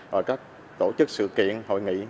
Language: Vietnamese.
rồi các tổ chức sự kiện hội nghị